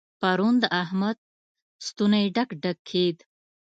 پرون د احمد ستونی ډک ډک کېد.